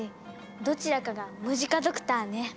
どちらかがムジカドクターね。